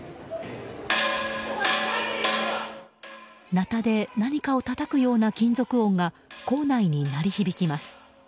なたで何かをたたくような金属音が構内に響き渡ります。